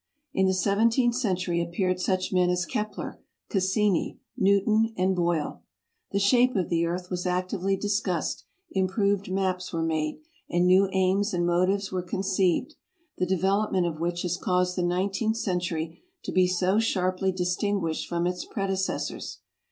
In the seventeenth century appeared such men as Kep ler, Cassini, Newton, and Boyle. The shape of the earth was actively discussed, improved maps were made, and new aims and motives were conceived, the development of which has caused the nineteenth century to be so sharply distin guished from its predecessors.